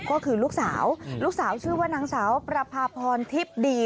ก็คือลูกสาวลูกสาวชื่อว่านางสาวประพาพรทิพย์ดี